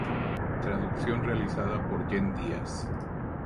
Traducción realizada por Jenn Díaz.